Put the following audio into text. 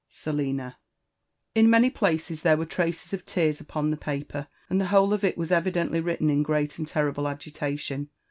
" Selina/' «' In many places there were traces of tears upon the paper, and the whole of it was evidently written in great and terrible agitation.